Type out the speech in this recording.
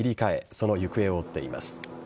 その行方を追っています。